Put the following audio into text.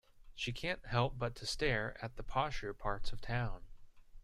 She can't help but to stare at the posher parts of town.